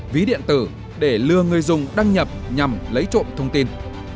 ví điện tử để lừa người dùng đăng nhập nhằm lấy trộm thông tin